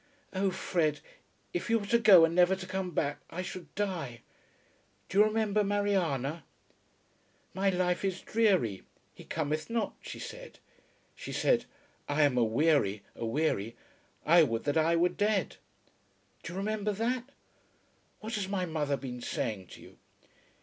Oh Fred, if you were to go and never to come back I should die. Do you remember Mariana? 'My life is dreary. He cometh not,' she said. She said, 'I am aweary, aweary; I would that I were dead!' Do you remember that? What has mother been saying to you?"